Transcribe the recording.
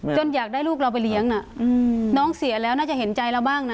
อยากได้ลูกเราไปเลี้ยงน้องเสียแล้วน่าจะเห็นใจเราบ้างนะ